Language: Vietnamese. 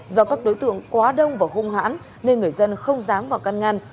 do các đối tượng quá đông và hung hãn nên người dân không dám vào căn ngăn